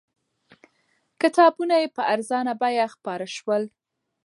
کتابونه یې په ارزانه بیه خپاره شول.